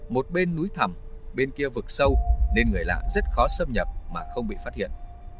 một bên núi thầm bên kia vực sâu nên người lạ rất khó xâm nhập mà không bị phát hiện